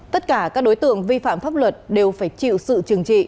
tất cả các đối tượng vi phạm pháp luật đều phải chịu sự trừng trị